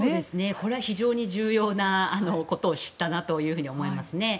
これは非常に重要なことを知ったなと思いますね。